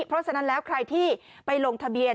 เพราะฉะนั้นแล้วใครที่ไปลงทะเบียน